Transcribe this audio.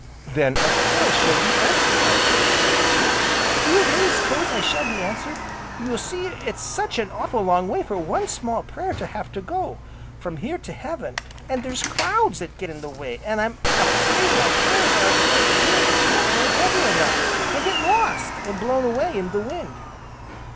"Then, of course, you'll be answered, my Porges." "Do you really s'pose I shall be answered? You see it's such an awful' long way for one small prayer to have to go, from here to heaven. An' there's clouds that get in the way; an' I'm 'fraid my prayers aren't quite big, or heavy enough, an' get lost, an' blown away in the wind."